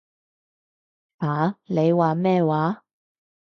吓？你話咩話？